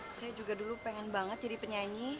saya juga dulu pengen banget jadi penyanyi